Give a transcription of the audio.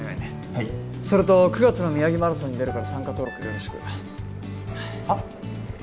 はいそれと９月の宮城マラソンに出るから参加登録よろしくはっ？